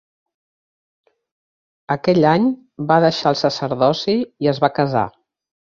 Aquell any, va deixar el sacerdoci i es va casar.